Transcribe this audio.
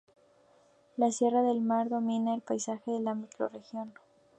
La Sierra del Mar domina el paisaje de la microrregión.